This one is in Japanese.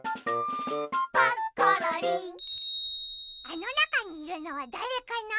あのなかにいるのはだれかな？